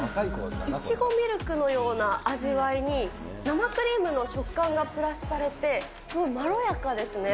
いちごミルクのような味わいに、生クリームの食感がプラスされて、すごいまろやかですね。